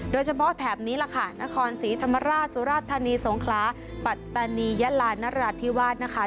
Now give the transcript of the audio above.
โดยเฉพาะแถบนี้ล่ะค่ะนครศรีธรรมราชสุรธรณีสงคลาปัตตานียลานรัฐธิวาสนะคะ